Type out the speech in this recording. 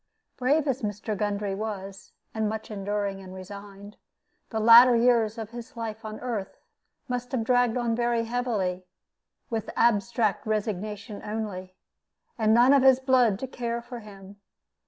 Brave as Mr. Gundry was, and much enduring and resigned, the latter years of his life on earth must have dragged on very heavily, with abstract resignation only, and none of his blood to care for him.